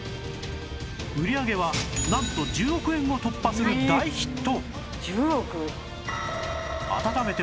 売り上げはなんと１０億円を突破する大ヒット！